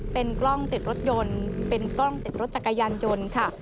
เป็นกล้องติดรถยนต์เป็นกล้องติดรถจักรยานยนต์ค่ะ